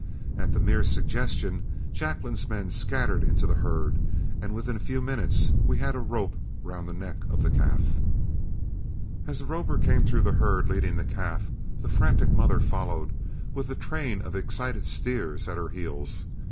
At the mere suggestion, Jacklin's men scattered into the herd, and within a few minutes we had a rope round the neck of the calf. As the roper came through the herd leading the calf, the frantic mother followed, with a train of excited steers at her heels.